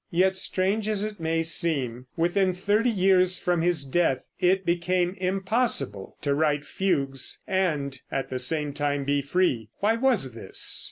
Yet strange as it may seem, within thirty years from his death it became impossible to write fugues, and at the same time be free. Why was this?